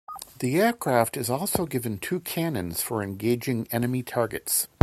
The aircraft is also given two cannons for engaging enemy targets.